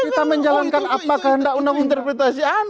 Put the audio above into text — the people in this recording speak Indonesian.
kita menjalankan apa kehendak undang interpretasi anda